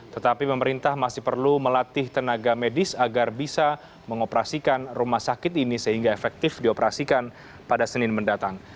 tetapi pemerintah masih perlu melatih tenaga medis agar bisa mengoperasikan rumah sakit ini sehingga efektif dioperasikan pada senin mendatang